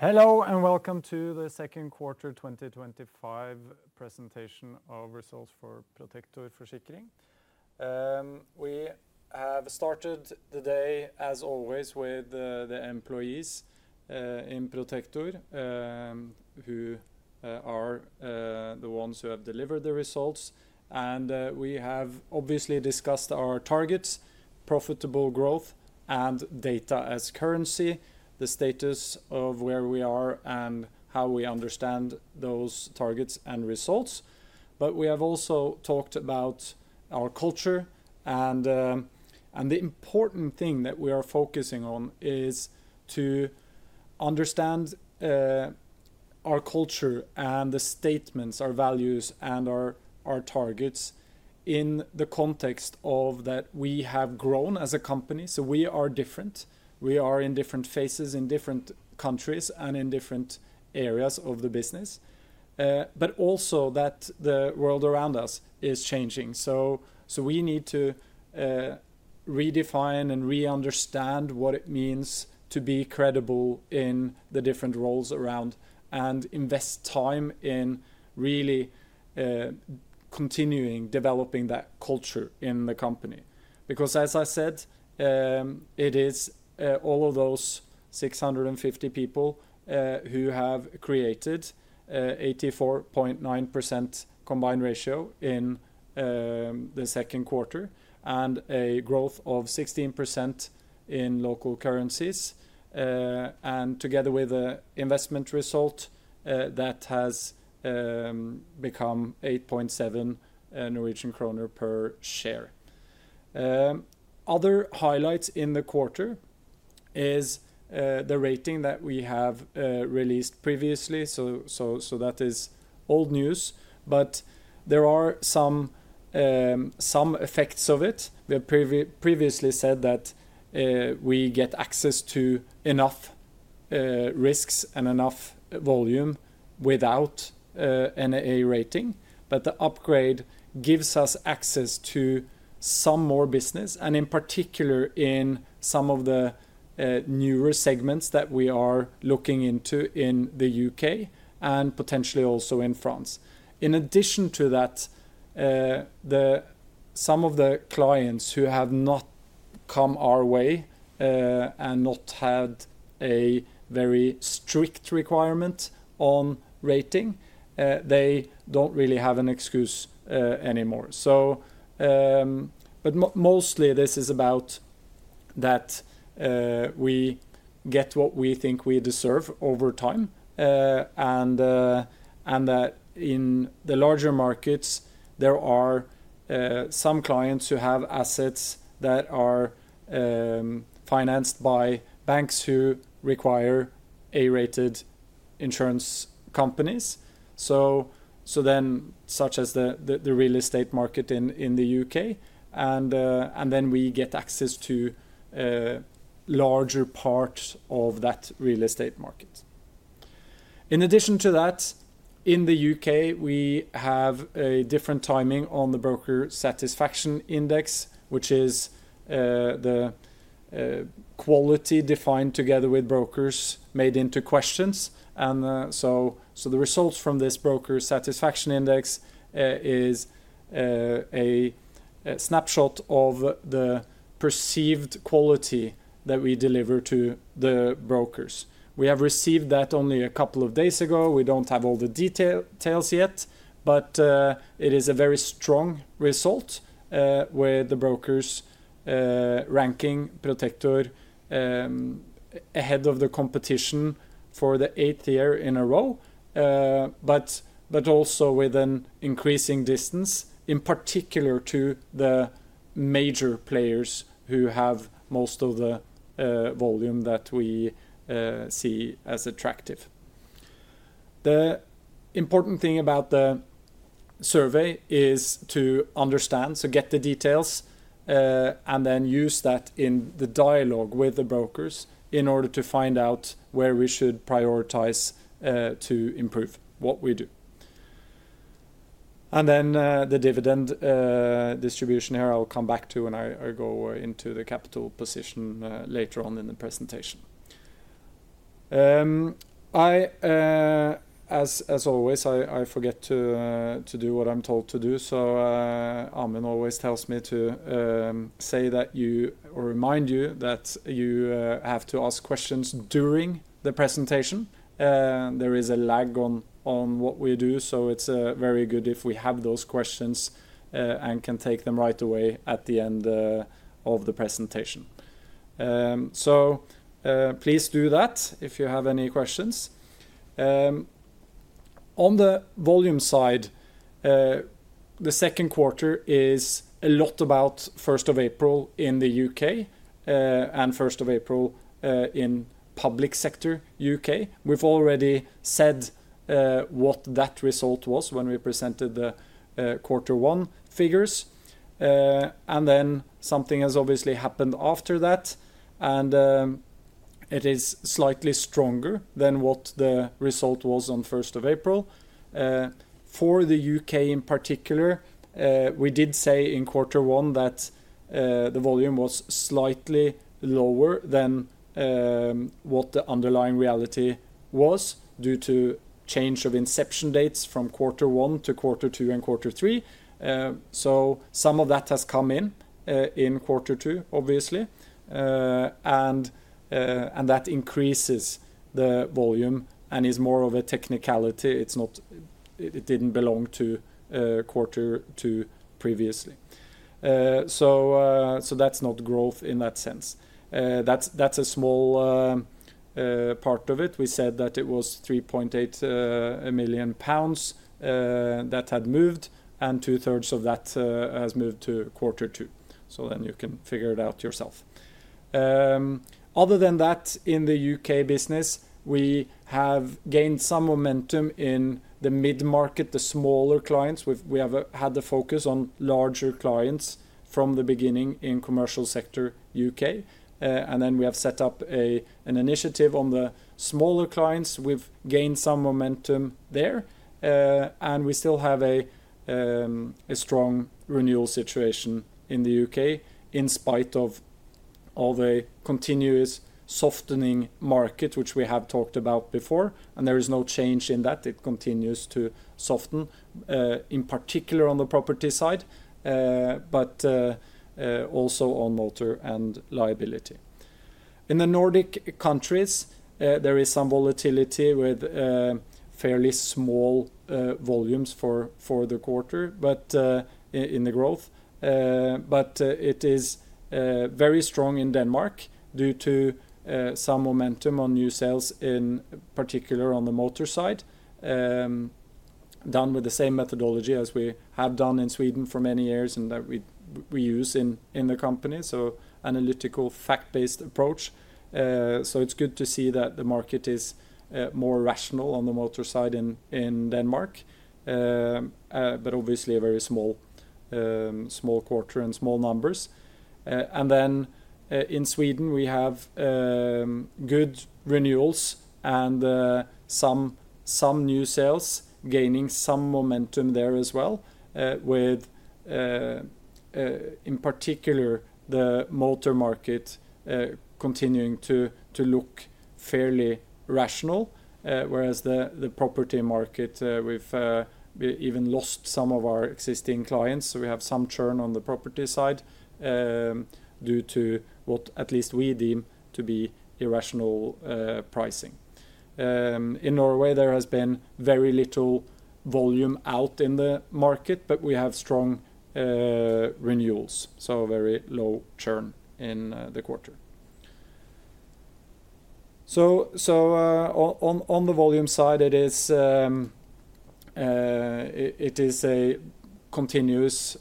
Hello and welcome to the Second Quarter twenty twenty five Presentation of Results for Protector for Sikkling. We have started the day, as always, with the employees, in Protector, who are, the ones who have delivered the results. And we have obviously discussed our targets, profitable growth and data as currency, the status of where we are and how we understand those targets and results. But we have also talked about our culture. And the important thing that we are focusing on is to understand our culture and the statements, our values and our targets in the context of that we have grown as a company. So we are different. We are in different phases in different countries and in different areas of the business. But also that the world around us is changing. So we need to redefine and reunderstand what it means to be credible in the different roles around and invest time in really continuing developing that culture in the company. Because as I said, it is all of those six fifty people who have created 84.9% combined ratio in the second quarter and a growth of 16% in local currencies. And together with the investment result, that has become 8.7 per share. Other highlights in the quarter is the rating that we have released previously. So that is old news. But there are some effects of it. We have previously said that we get access to enough risks and enough volume without an A rating, but the upgrade gives us access to some more business and in particular in some of the newer segments that we are looking into in The U. K. And potentially also in France. In addition to that, the some of the clients who have not come our way and not had a very strict requirement on rating, they don't really have an excuse anymore. So but mostly, this is about that we get what we think we deserve over time. And that in the larger markets, there are some clients who have assets that are financed by banks who require A rated insurance companies. So then such as the real estate market in The U. K. And then we get access to larger parts of that real estate market. In addition to that, in The U. Satisfaction Index, which is the quality defined together with brokers made into questions. And so the results from this Broker Satisfaction Index is a snapshot of the perceived quality that we deliver to the brokers. We have received that only a couple of days ago. We don't have all the details yet, but it is a very strong result with the brokers ranking Protector ahead of the competition for the eighth year in a row, but also with an increasing distance, in particular to the major players who have most of the volume that we see as attractive. The important thing about the survey is to understand, so get the details and then use that in the dialogue with the brokers in order to find out where we should prioritize to improve what we do. And then the dividend distribution area, I'll come back to when I go into the capital position later on in the presentation. I as always, I forget to do what I'm told to do. So Armen always tells me to say that you or remind you that you have to ask questions during the presentation. There is a lag on what we do. So it's very good if we have those questions and can take them right away at the end of the presentation. So please do that if you have any questions. On the volume side, the second quarter is a lot about April 1 in The U. K. And April 1 in public sector U. K. We've already said what that result was when we presented the quarter one figures. And something has obviously happened after that. And it is slightly stronger than what the result was on April 1. For The U. K. In particular, we did say in quarter one that the volume was slightly lower than what the underlying reality was due to change of inception dates from quarter one to quarter two and quarter three. So some of that has come in, in quarter two, obviously. And that increases the volume and is more of a technicality. It's not it didn't belong to quarter two previously. So that's not growth in that sense. That's a small part of it. We said that it was 3,800,000.0 pounds that had moved and twothree of that has moved to quarter two. So then you can figure it out yourself. Other than that, in The U. K. Business, we have gained some momentum in the mid market, the smaller clients. We have had the focus on larger clients from the beginning in Commercial Sector U. K. And then we have set up an initiative on the smaller clients. We've gained some momentum there. And we still have a strong renewal situation in The U. K. In spite of a continuous softening market, which we have talked about before. And there is no change in that. It continues to soften, particular on the property side, but also on motor and liability. In the Nordic countries, there is some volatility with fairly small volumes for the quarter, but in the growth. But it is very strong in Denmark due to some momentum on new sales, in particular, on the Motor side, done with the same methodology as we have done in Sweden for many years and that we use in the company. So analytical fact based approach. So it's good to see that the market is more rational on the motor side in Denmark, but obviously, a very small quarter and small numbers. And then in Sweden, we have good renewals and some new sales gaining some momentum there as well with, in particular, the motor market continuing to look fairly rational, whereas the property market, we've even lost some of our existing clients. So we have some churn on the property side due to what at least we deem to be irrational pricing. In Norway, there has been very little volume out in the market, but we have strong renewals, so very low churn in the quarter. So on the volume side, it is a continuous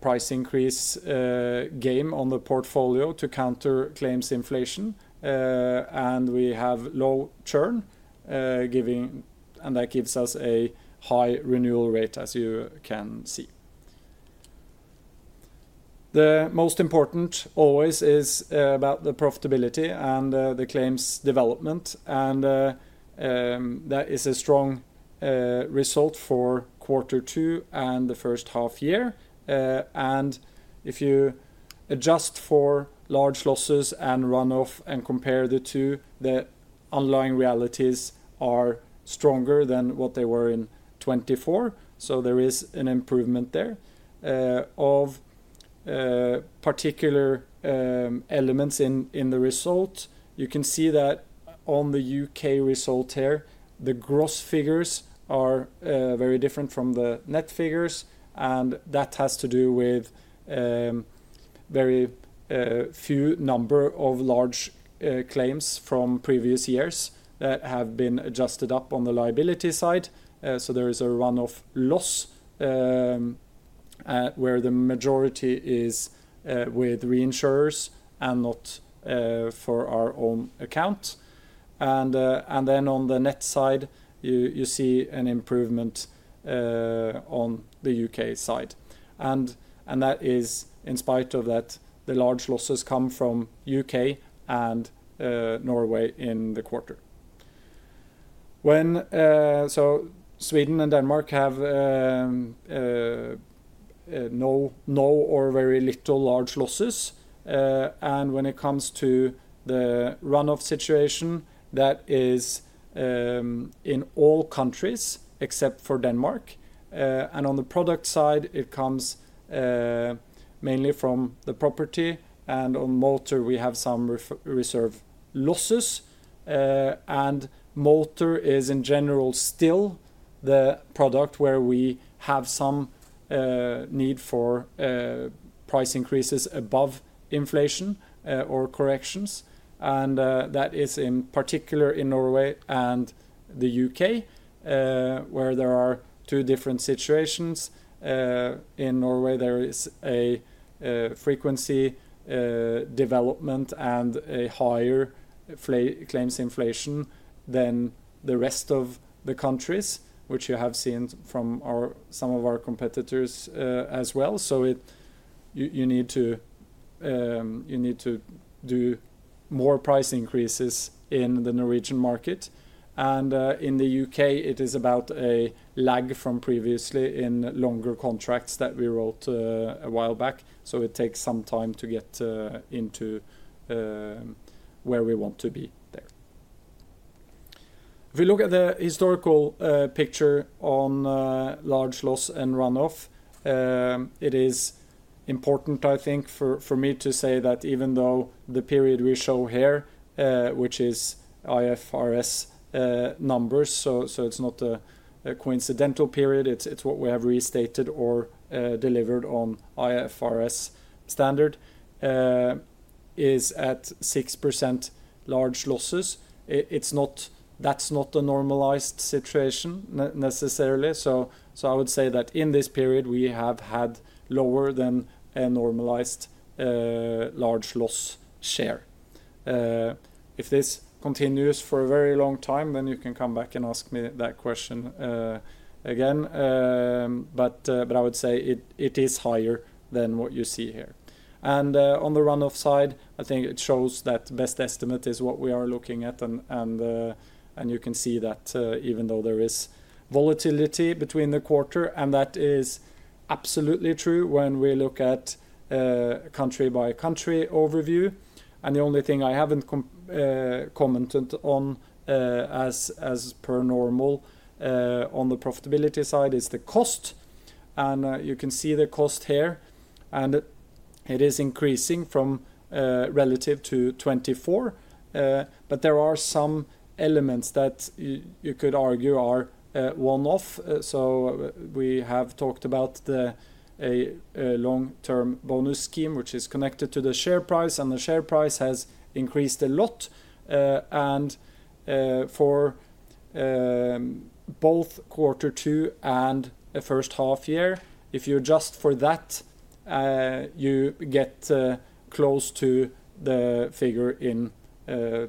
price increase game portfolio to counter claims inflation. And we have low churn giving and that gives us a high renewal rate as you can see. The most important always is about the profitability and the claims development. And that is a strong result for quarter two and the first half year. And if you adjust for large losses and runoff and compare the two, the underlying realities are stronger than what they were in 'twenty four. So there is an improvement there of particular elements in the result, you can see that on The U. K. Result here, the gross figures are very different from the net figures, and that has to do with very few number of large claims from previous years that have been adjusted up on the liability side. So there is a runoff loss where the majority is with reinsurers and not for our own account. And then on the net side, you see an improvement on The U. K. Side. And that is in spite of that the large losses come from U. K. And Norway in the quarter. When so Sweden and Denmark have no or very little large losses. And when it comes to the runoff situation, that is in all countries except for Denmark. And on the product side, it comes mainly from the property. And on motor, we have some reserve losses. And motor is, in general, still the product where we have some need for price increases above inflation or corrections. And that is, in particular, in Norway and The U. K, where there are two different situations. In Norway, there is a frequency development and a higher claims inflation than the rest of the countries, which you have seen from our some of our competitors as well. So you need to do more price increases in the Norwegian market. And in The U. K, it is about a lag from previously in longer contracts that we wrote a while back. So it takes some time to get into where we want to be there. If we look at the historical picture on large loss and runoff, it is important, I think, for me to say that even though the period we show here, which is IFRS numbers, so it's not a coincidental period, it's what we have restated or delivered on IFRS standard, is at 6% large losses. It's not that's not a normalized situation necessarily. So I would say that in this period, we have had lower than a normalized large loss share. If this continues for a very long time, then you can come back and ask me that question again. I would say it is higher than what you see here. And on the runoff side, I think it shows that best estimate is what we are looking at. And you can see that even though there is volatility between the quarter, and that is absolutely true when we look at country by country overview. And the only thing I haven't commented on as per normal on the profitability side is the cost. And you can see the cost here, and it is increasing from relative to 24 million. But there are some elements that you could argue are one off. So we have talked about a long term bonus scheme, which is connected to the share price, and the share price has increased a lot. And for both quarter two and the first half year, if you adjust for that, you get close to the figure in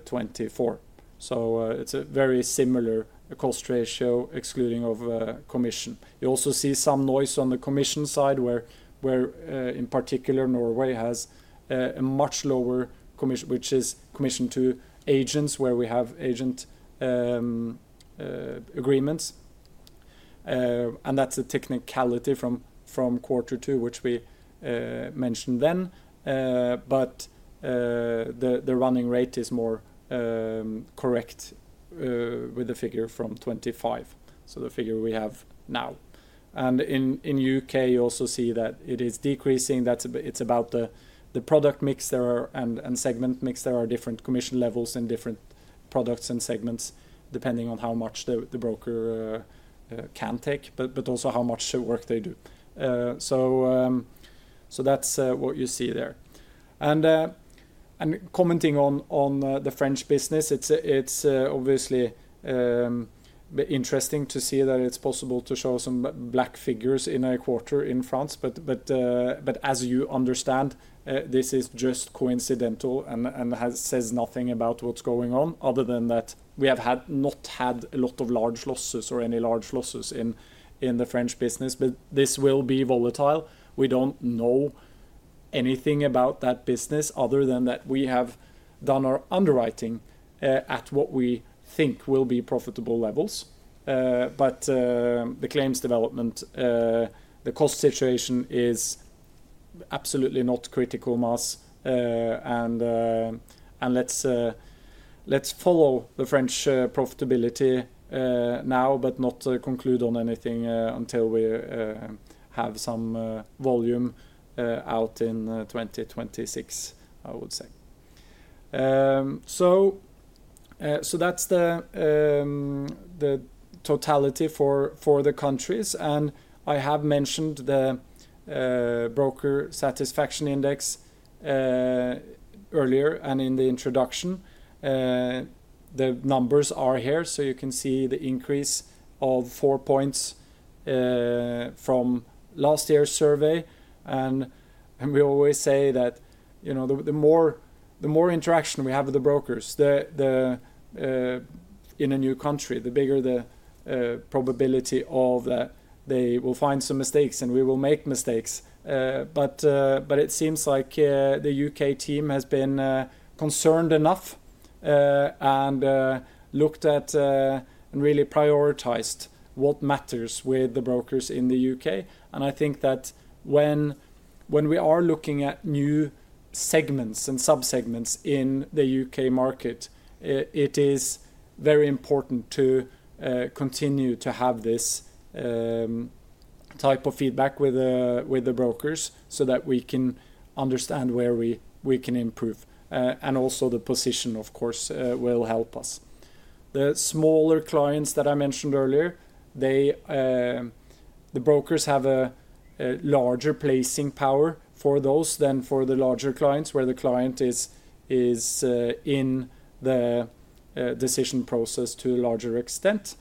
'24. So it's a very similar cost ratio excluding of commission. You also see some noise on the commission side where, in particular, Norway has a much lower commission, which is commission to agents where we have agent agreements. And that's a technicality from quarter two, which we mentioned then. But the running rate is more correct with the figure from '25, so the figure we have now. And in U. Decreasing. That's a bit it's about the product mix there and segment mix. There are different commission levels in different products and segments depending on how much the broker can take, but also how much work they do. So that's what see there. And commenting on the French business, it's obviously interesting to see that it's possible to show some black figures in a quarter in France. But as you understand, this is just coincidental and says nothing about what's going on other than that we have had not had a lot of large losses or any large losses in the French business. But this will be volatile. We don't know anything about that business other than that we have done our underwriting at what we think will be profitable levels. But the claims development, the cost situation is absolutely not critical mass. And let's follow the French profitability now, but not conclude on anything until we have some volume out in 2026, I would say. So that's the totality for the countries. And I have mentioned the Broker Satisfaction Index earlier and in the introduction. The numbers are here. So you can see the increase of four points from last year's survey. And we always say that the more interaction we have with the brokers, the in a new country, the bigger the probability of they will find some mistakes and we will make mistakes. But it seems like the U. K. Team has been concerned enough and looked at and really prioritized what matters with the brokers in The U. K. And I think that when we are looking at new segments and subsegments in The U. K. Market, it is very important to continue to have this type of feedback with the brokers so that we can understand where we can improve. And position, of course, will help us. The smaller clients that I mentioned earlier, they the brokers have a larger placing power for those than for the larger clients, where the client is in the decision process to a larger extent.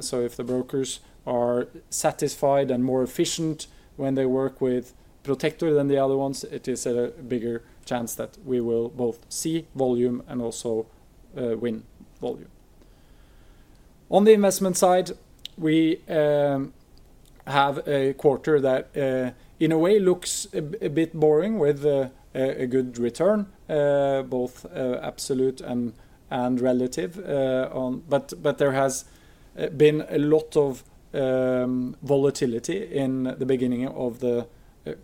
So if the brokers are satisfied and more efficient when they work with Protector than the other ones, it is a bigger chance that we will both see volume and also win volume. On the investment side, we have a quarter that, in a way, looks a bit boring with a good return, both absolute and relative. But there has been a lot of volatility in the beginning of the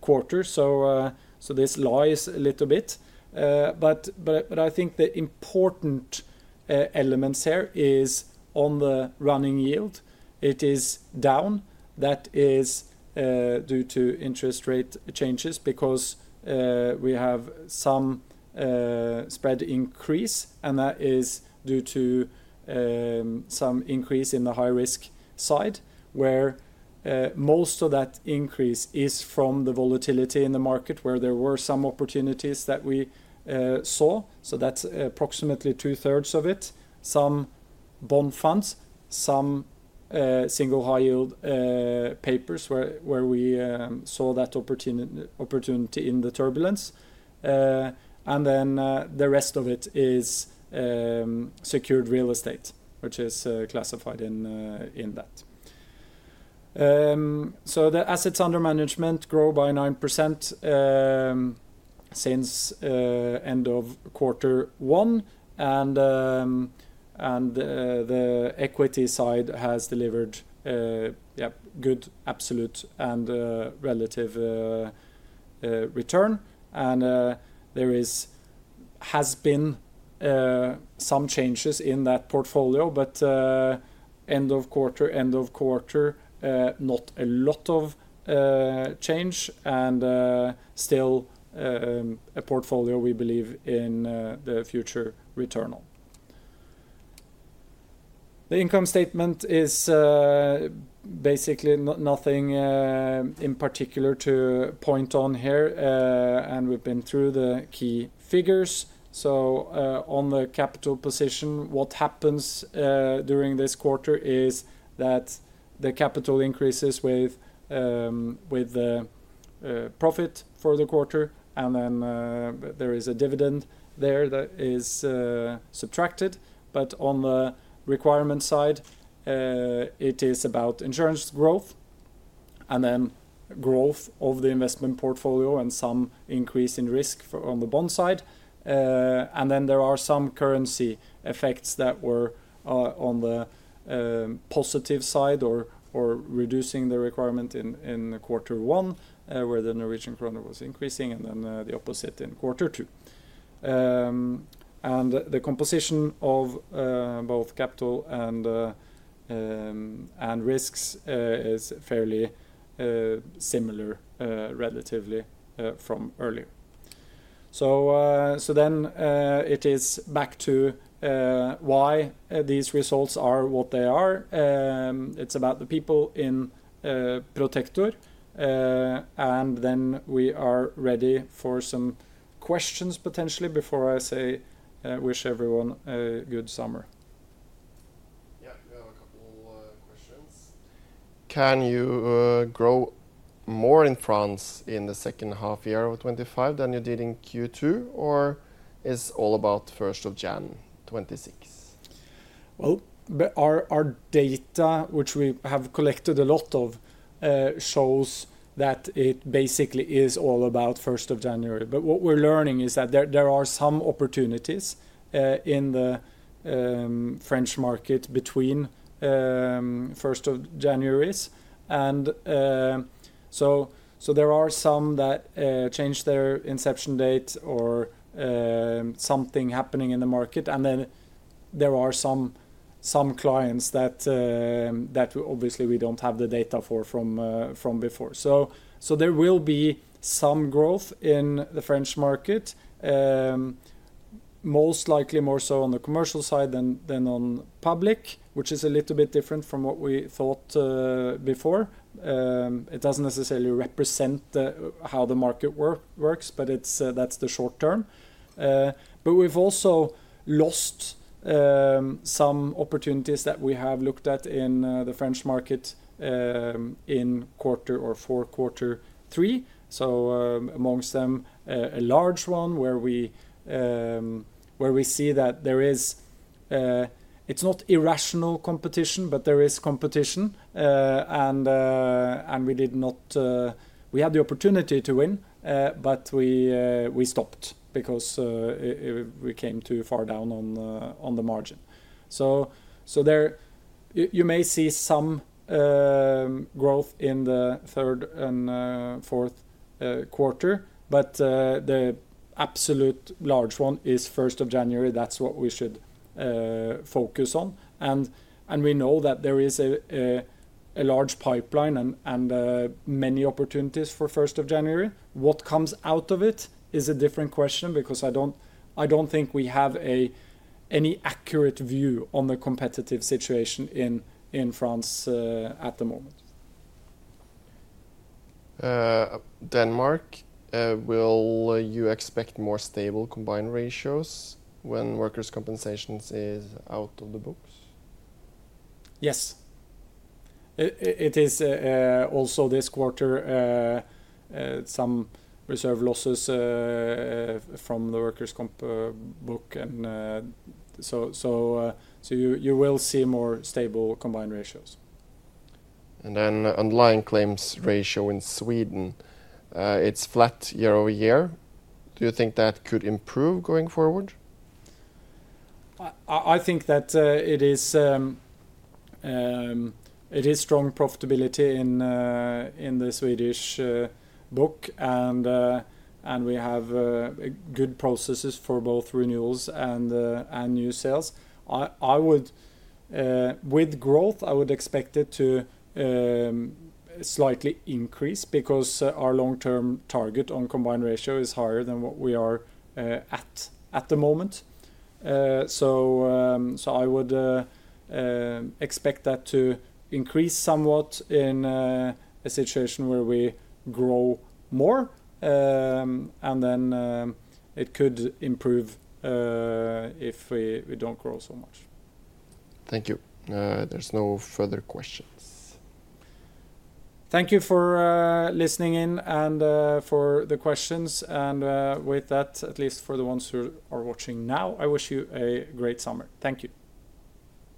quarter. So this lies a little bit. But I think the important elements here is on the running yield. It is down. That is due to interest rate changes because we have some spread increase, and that is due to some increase in the high risk side, where most of that increase is from the volatility in the market where there were that we saw. So that's approximately twothree of it. Some bond funds, some single high yield papers where we saw that opportunity in the turbulence. And then the rest of it is secured real estate, which is classified in that. So the assets under management grow by 9% since end of quarter one. And the equity side has delivered, yes, good absolute relative return. And there is has been some changes in that portfolio. But end of quarter, end of quarter, not a lot of cash flow lot of quarter. Quarter. And And particular to point on here, and we've we have a been through of the key figures. So on the capital position, what happens during this quarter is that the capital increases is with profit for the quarter. And then there is a dividend there that is subtracted. But on the requirement side, it is about insurance growth and then growth of the investment portfolio and some increase in risk on the bond side. And then there are some currency effects that were on the positive side or reducing the requirement in quarter one, where the Norwegian kroner was increasing and then the opposite in quarter two. And the composition of both capital and risks is fairly similar relatively from earlier. So then it is back to why these results are what they are. Of have a a a lot couple lot of of questions. Questions. And Can you we grow more in France in the second half year of 'twenty five than you did in Q2? Or is all about first of Jan 'twenty six? Well, our data, which we have collected a lot of, shows that it basically is all about January 1. But what we're learning is that there are some opportunities in the French market between January 1. And so there are some that change their inception date or something happening in the market. And then there are some clients that obviously we don't have the data for from before. So there will be some growth in the French market, most likely more so on the commercial side than on public, which is a little bit different from what we thought before. It doesn't necessarily represent how the market works, but it's that's the short term. But we've also lost some opportunities that we have looked at in the French market in quarter or four, quarter three. So amongst them, a large one where we see that there is it's not irrational competition, but there is competition. And we did not we had the opportunity to win, but we stopped because we came too far down on the margin. So there you may see some growth in the third and fourth quarter. But the absolute large one is first of January. That's what we should focus on. And we know that there is a large pipeline and many opportunities for January 1. What comes out of it is a different question because I think we have any accurate view on the competitive situation in France at the moment. Denmark, will you expect more stable combined ratios when workers' compensation is out of the books? Yes. It is also this quarter some reserve losses from the workers' comp book. And so you will see more stable combined ratios. And then underlying claims ratio in Sweden, it's flat year over year. Do you think that could improve going forward? I think that it is strong profitability in the Swedish book, and we have good processes for both renewals and new sales. I would with growth, I would expect it to slightly increase because our long term target on combined ratio is higher than what we are at, at the moment. So I would expect that to increase somewhat in a situation where we grow more, and then it could improve if we don't grow so much. Thank you. There's no further questions. Thank you for listening in and for the questions. And with that, at least for the ones who are watching now, I wish you a great summer. Thank you.